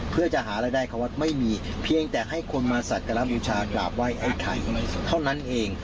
เพื่อจะหารายได้เข้าวัดไม่มีเพียงแต่ให้คนมาสักการะบูชากราบไหว้ไอ้ไข่เท่านั้นเอง